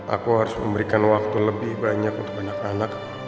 aku harus memberikan waktu lebih banyak untuk anak anak